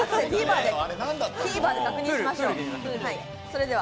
ＴＶｅｒで確認しましょう。